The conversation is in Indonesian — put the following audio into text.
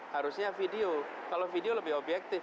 harusnya video kalau video lebih objektif